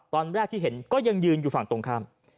ตอนแรกที่เห็นก็ยังยืนอยู่ฝั่งตรงข้าม